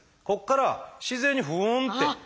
ここから自然にフン！